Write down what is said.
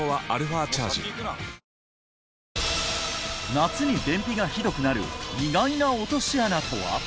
夏に便秘がひどくなる意外な落とし穴とは？